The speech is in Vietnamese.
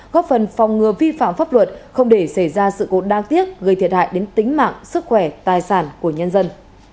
góp phần phòng ngừa vi phạm pháp luật không để xảy ra sự cố đáng tiếc gây thiệt hại đến tính mạng sức khỏe tài sản của nhân dân